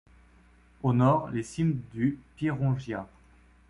Au nord, les cimes du Pirongia.